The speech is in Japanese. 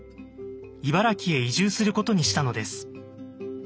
茨城へ移住することにしたのです。